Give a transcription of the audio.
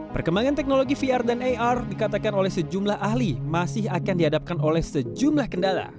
perkembangan teknologi vr dan ar dikatakan oleh sejumlah ahli masih akan dihadapkan oleh sejumlah kendala